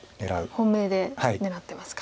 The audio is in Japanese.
本命で狙ってますか。